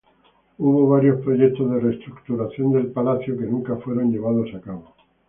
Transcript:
Hubo varios proyectos de reestructuración del palacio que nunca fueron llevados a cabo.